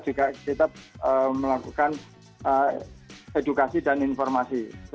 juga kita melakukan edukasi dan informasi